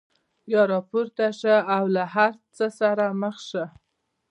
یا راپورته شه او له هر څه سره مخ شه.